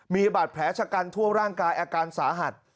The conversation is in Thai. มีบาดแผลชะกันทั่วร่างกายอาการสาหัส